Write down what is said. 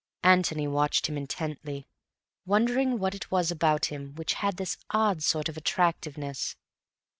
Antony watched him intently, wondering what it was about him which had this odd sort of attractiveness.